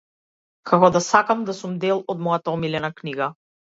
Како да сакам да сум дел од мојата омилена книга.